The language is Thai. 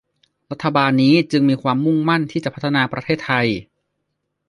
รัฐบาลนี้จึงมีความมุ่งมั่นที่จะพัฒนาประเทศไทย